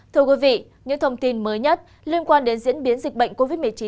thưa quý vị những thông tin mới nhất liên quan đến diễn biến dịch bệnh covid một mươi chín